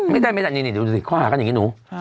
ไม่ได้นี่ดูสิค่าหากันอย่างงี้หนู